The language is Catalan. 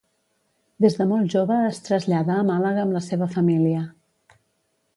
Des de molt jove es trasllada a Màlaga amb la seva família.